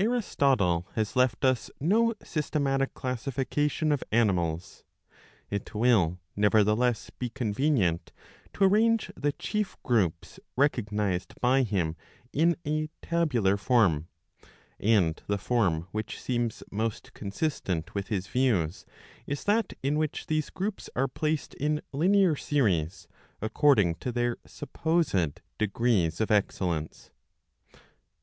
Aristotle has left us no systematic classification of animals. It will nevertheless be convenient to arrange the chief groups recognised by him in a tabular form ; and the form which seems most consistent with his views is that in which these groups are placed in linear series, according to their supposed degrees of excellence.